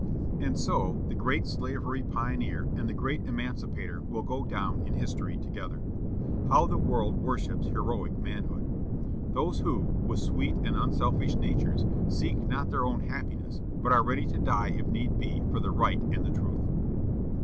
And so the great slavery pioneer and the great emancipator will go down in history together. How the world worships heroic manhood! Those who, with sweet and unselfish natures, seek not their own happiness, but are ready to die if need be for the right and the truth!